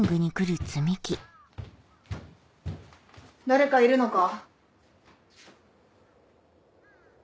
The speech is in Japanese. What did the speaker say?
誰かいるのか？